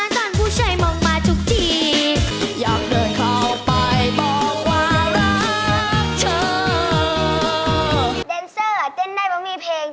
เด็นเซอร์เต้นได้เพราะมีเพลง